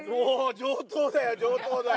上等だよ、上等だよ。